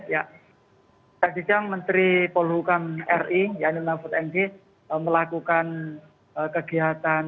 ya tadi siang menteri polhukam ri yanin nafut ng melakukan kegiatan